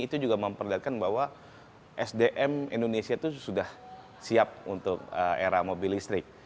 itu juga memperlihatkan bahwa sdm indonesia itu sudah siap untuk era mobil listrik